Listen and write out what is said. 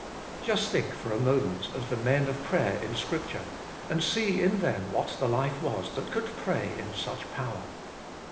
Just think for a moment of the men of prayer in Scripture, and see in them what the life was that could pray in such power.